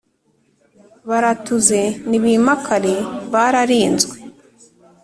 Baratuze, nibimakare bararinzwe